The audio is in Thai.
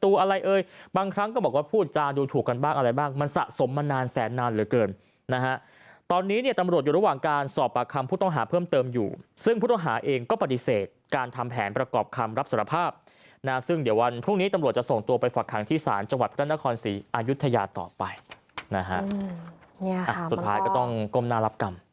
ชิคกี้พายคิดว่าชิคกี้พายคิดว่าชิคกี้พายคิดว่าชิคกี้พายคิดว่าชิคกี้พายคิดว่าชิคกี้พายคิดว่าชิคกี้พายคิดว่าชิคกี้พายคิดว่าชิคกี้พายคิดว่าชิคกี้พายคิดว่าชิคกี้พายคิดว่าชิคกี้พายคิดว่าชิคกี้พายคิดว่าชิคกี้พายคิดว่าชิคกี้พายคิดว่าชิคกี้พายคิดว